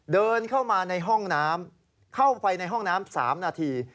เดินเข้าไปในห้องน้ำ๓นาที